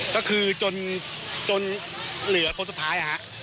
ก็คือจนเหลือคนสุดท้าย